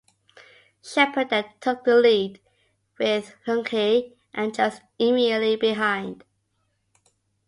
Sheppard then took the lead, with Lunghi and Just immediately behind.